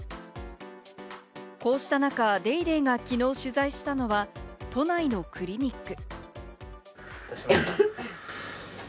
こうした中、『ＤａｙＤａｙ．』がきのう取材したのは、都内のクリニック。